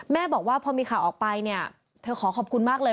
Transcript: บอกว่าพอมีข่าวออกไปเนี่ยเธอขอขอบคุณมากเลย